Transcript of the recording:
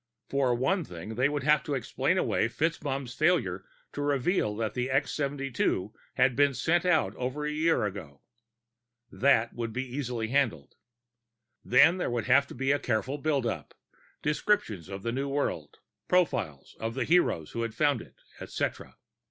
For one thing, they would have to explain away FitzMaugham's failure to reveal that the X 72 had been sent out over a year ago. That could be easily handled. Then, there would have to be a careful build up: descriptions of the new world, profiles of the heroes who had found it, etcetera.